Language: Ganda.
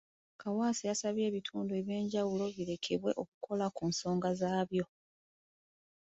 Kaawaase yasabye ebitundu ebyenjawulo birekebwe okukola ku nsonga zaabyo.